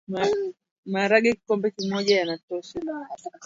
Maharage Kikombe moja yanatosha